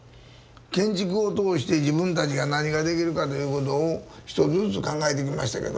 建築を通して自分たちが何ができるかということを一つずつ考えてきましたけども。